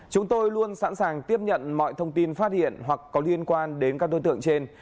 chúng tôi luôn sẵn sàng tiếp nhận mọi thông tin phát hiện hoặc có liên quan đến các đối tượng trên